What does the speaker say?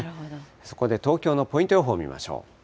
そこで東京のポイント予報を見ましょう。